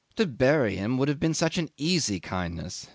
To bury him would have been such an easy kindness!